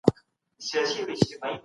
ایا نوی نسل تاریخ په سمه بڼه اوري؟